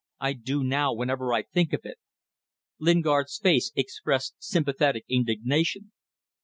I do now whenever I think of it!" Lingard's face expressed sympathetic indignation.